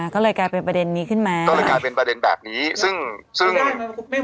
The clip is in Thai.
ก็เลยกลายเป็นประเด็นนี้ขึ้นมาก็เลยกลายเป็นประเด็นแบบนี้ซึ่งซึ่งไม่